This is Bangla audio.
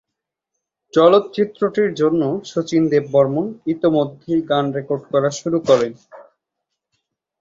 চলচ্চিত্রটির জন্য শচীন দেববর্মণ ইতোমধ্যেই গান রেকর্ড করা শুরু করেন।